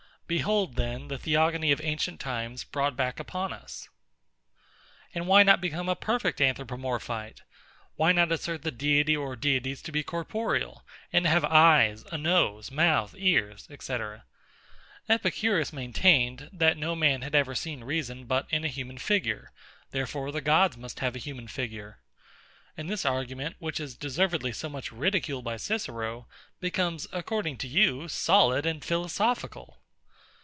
Behold, then, the theogony of ancient times brought back upon us. And why not become a perfect Anthropomorphite? Why not assert the deity or deities to be corporeal, and to have eyes, a nose, mouth, ears, &c.? EPICURUS maintained, that no man had ever seen reason but in a human figure; therefore the gods must have a human figure. And this argument, which is deservedly so much ridiculed by CICERO, becomes, according to you, solid and philosophical.